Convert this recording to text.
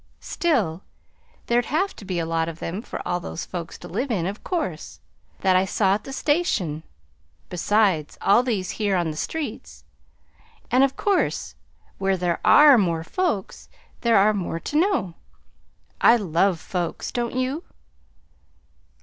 Still, there'd have to be a lot of them for all those folks to live in, of course, that I saw at the station, besides all these here on the streets. And of course where there ARE more folks, there are more to know. I love folks. Don't you?"